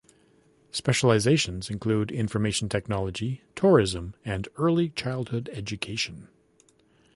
Specializations include information technology, tourism, and early childhood education.